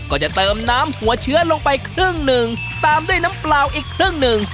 ก็จะเติมน้ำหัวเชื้อลงไปครึ่งหนึ่งตามด้วยน้ำเปล่าอีกครึ่งหนึ่ง